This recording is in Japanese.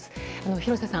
廣瀬さん